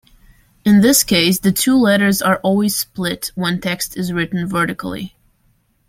In this case, the two letters are always split when text is written vertically.